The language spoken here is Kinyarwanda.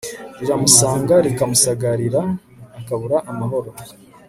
riramusanga rikamusagarira akubura amahoro